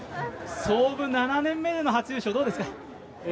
創部７年目での初優勝、どうですか？